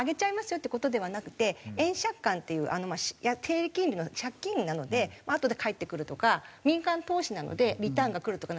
よって事ではなくて円借款っていう低金利の借金なのであとで返ってくるとか民間投資なのでリターンが来るとかなんですけど。